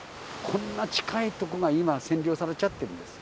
こんな近い所が今、占領されちゃってるんです。